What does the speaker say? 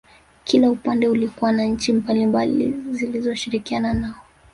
Kila upande ulikuwa na nchi mbalimbali zilizoshirikiana nao